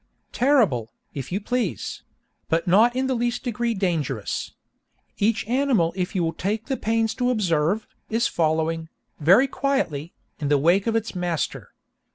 Terrible, if you please; but not in the least degree dangerous. Each animal if you will take the pains to observe, is following, very quietly, in the wake of its master.